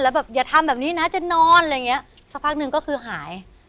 แล้วแบบอย่าทำแบบนี้นะจะนอนอะไรอย่างเงี้ยสักพักหนึ่งก็คือหาย